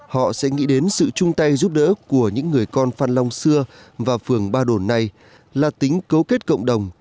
họ sẽ nghĩ đến sự chung tay giúp đỡ của những người con phan long xưa và phường ba đồn này là tính cấu kết cộng đồng